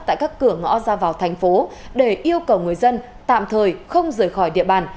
tại các cửa ngõ ra vào thành phố để yêu cầu người dân tạm thời không rời khỏi địa bàn